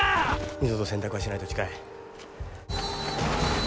二度と洗濯はしないと誓え。